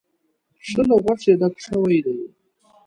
ښه له غوښې ډک شوی دی.